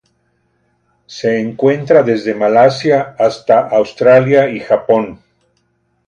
Se encuentra desde Malasia hasta Australia y Japón.